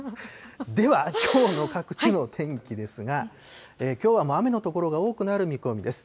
ではきょうの各地の天気ですが、きょうは雨の所が多くなる見込みです。